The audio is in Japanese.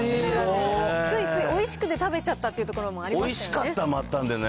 ついついおいしくて食べちゃったっていうところもありましたよね。